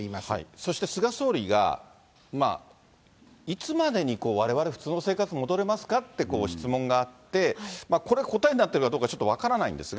そして、菅総理がいつまでにわれわれ普通の生活に戻れますかって、質問があって、これ、答えになってるかどうかちょっと分からないんですが。